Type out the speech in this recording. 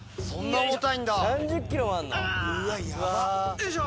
よいしょ！